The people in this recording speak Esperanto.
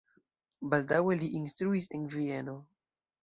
Baldaŭe li instruis en Vieno.